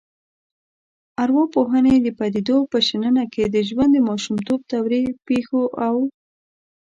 ارواپوهنې د پديدو په شننه کې د ژوند د ماشومتوب دورې پیښو او